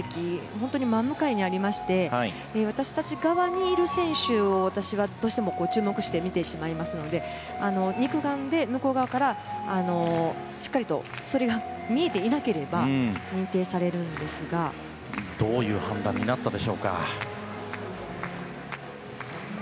本当に真向かいにありまして私たち側にいる選手を私はどうしても注目して見てしまいますので肉眼から向こう側からしっかりとそれが見えていなければどういう判断になったか。